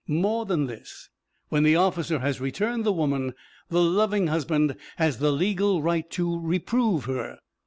More than this, when the officer has returned the woman, the loving husband has the legal right to "reprove" her.